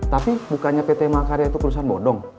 tapi bukannya pt makarya itu perusahaan bodong